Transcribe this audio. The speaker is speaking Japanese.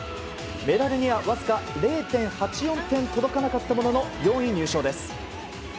メダルにはわずか０．８４点届かなかったものの４位入賞です。